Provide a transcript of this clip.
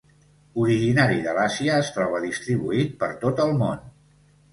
Originari de l'Àsia, es troba distribuït per tot el món.